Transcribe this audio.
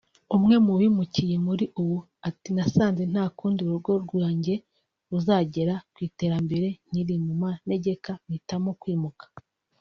umwe mu bimukiye muri uwo ati « Nasanze nta kundi urugo rwnjye ruzagera kwiterambere nkiri mu manegeka mpitamo kwimuka